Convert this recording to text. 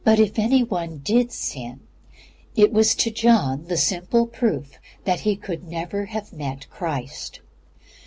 If any one did sin, it was to John the simple proof that he could never have met Christ.